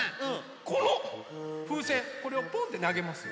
このふうせんこれをポンってなげます。